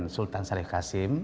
sultan syarif qasim